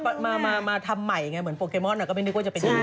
ก็มาทำใหม่ไงเหมือนโปรแกโมนเนี่ยก็ไม่นึกว่าจะเป็นนี้เนี่ย